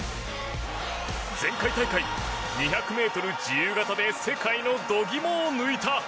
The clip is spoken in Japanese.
前回大会、２００ｍ自由形で世界の度肝を抜いた。